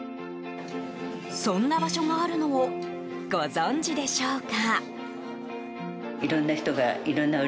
そんな場所があるのをご存じでしょうか。